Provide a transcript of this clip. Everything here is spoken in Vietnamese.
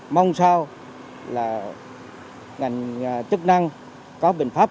mong sao là ngành chức năng có bình pháp